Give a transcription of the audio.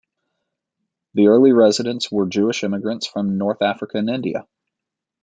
The early residents were Jewish immigrants from North Africa and India.